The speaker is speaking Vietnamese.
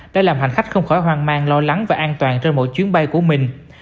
đã làm hành khách không khỏi hoang mang lo lắng và an toàn trên mỗi chuyến bay của mình